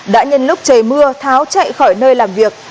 đã nhân lúc trời mưa tháo chạy khỏi nơi làm việc